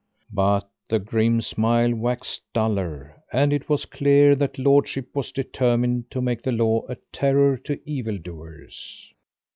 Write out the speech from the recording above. But the grim smile waxed duller, and it was clear that lordship was determined to make the law a terror to evil doers.